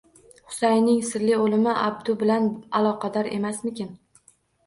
Husaynning sirli o`limi Abdu bilan aloqador emasmikin